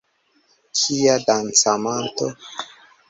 Kia dancamanto!